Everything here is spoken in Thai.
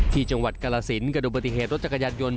ที่จังหวัดกาลสินเกิดดูปฏิเหตุรถจักรยานยนต